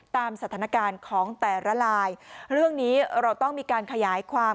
ตามสถานการณ์ของแต่ละลายเรื่องนี้เราต้องมีการขยายความ